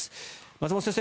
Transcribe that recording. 松本先生